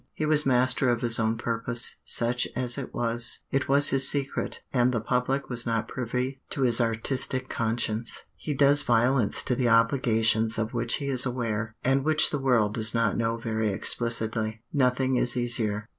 He was master of his own purpose, such as it was; it was his secret, and the public was not privy to his artistic conscience. He does violence to the obligations of which he is aware, and which the world does not know very explicitly. Nothing is easier.